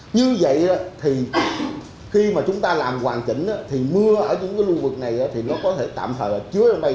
như vậy thì khi mà chúng ta làm hoàn chỉnh thì mưa ở những cái lưu vực này thì nó có thể tạm thời chứa ở đây